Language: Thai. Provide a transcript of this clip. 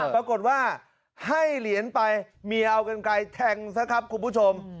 ปรากฏว่าให้เหรียญไปเมียเอากันไกลแทงซะครับคุณผู้ชม